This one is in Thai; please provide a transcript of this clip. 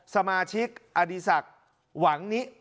สมาชิกอดีศักดิ์หวังนิ